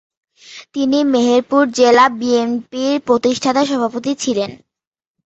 তিনি মেহেরপুর জেলা বিএনপি’র প্রতিষ্ঠাতা সভাপতি ছিলেন।